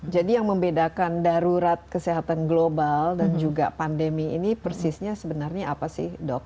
yang membedakan darurat kesehatan global dan juga pandemi ini persisnya sebenarnya apa sih dok